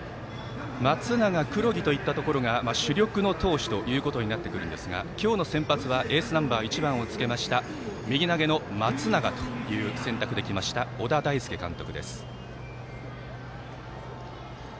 松永、黒木といったところが主力の投手というところになってくるんですが今日の先発はエースナンバー１番をつけました右投げの松永という選択できました、小田大介監督。